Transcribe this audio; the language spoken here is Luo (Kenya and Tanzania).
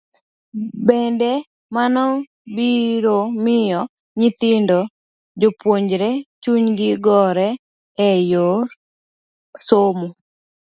Bende, mano biro miyo nyithindo jopuonjre chunygi gore e yor somo.